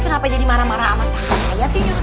kenapa jadi marah marah sama sangkanya sih nyuruh